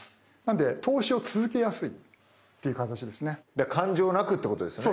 だから感情なくっていうことですよね。